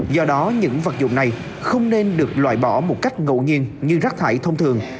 do đó những vật dụng này không nên được loại bỏ một cách ngậu nhiên như rác thải thông thường